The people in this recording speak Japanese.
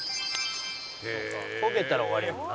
焦げたら終わりやから。